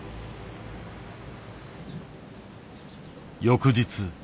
翌日。